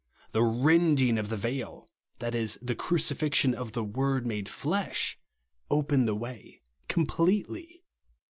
The rending of the veil ; that is, the crucifixion of " the Word made flesh," opened the way com pletely.